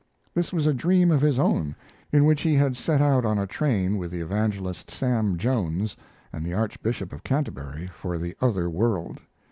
This was a dream of his own, in which he had set out on a train with the evangelist Sam Jones and the Archbishop of Canterbury for the other world.